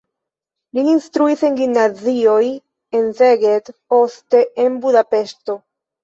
Li instruis en gimnazioj en Szeged, poste en Budapeŝto.